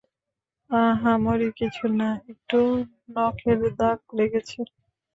আহামরি কিছু না, একটু নখের দাগ লেগেছে।